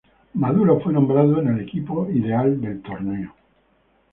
Maduro fue nombrado en el equipo ideal del torneo.